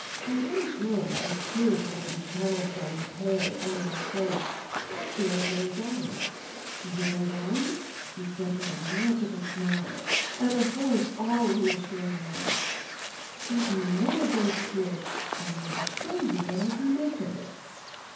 A little girl, with tears making channels down her pale, unwashed face, caught the old man's eye. "Little one," he said, with a magical smile, and a voice all reassuring love, "give me one of those tears, and I will show you what I can make of it."